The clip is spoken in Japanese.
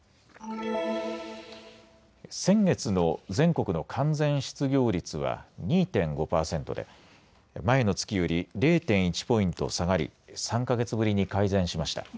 先月の全国の完全失業率は２．５％で前の月より０．１ポイント下がり３か月ぶりに改善しました。